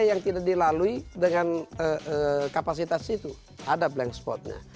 yang tidak dilalui dengan kapasitas itu ada blank spotnya